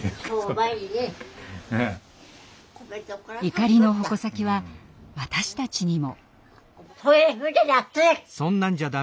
怒りの矛先は私たちにも。